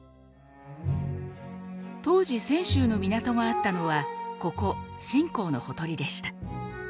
当時泉州の港があったのはここ晋江のほとりでした。